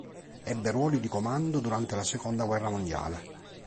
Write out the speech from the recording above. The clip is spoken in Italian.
Ebbe ruoli di comando durante la seconda guerra mondiale.